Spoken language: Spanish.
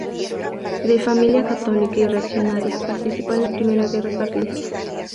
De familia católica y reaccionaria, participó en la Primera Guerra Carlista.